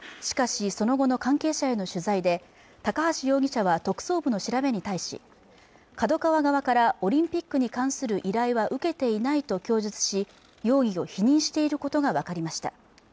しかしその後の関係者への取材で高橋容疑者は特捜部の調べに対しＫＡＤＯＫＡＷＡ側からオリンピックに関する依頼は受けていないと供述し容疑を否認していることが分かりました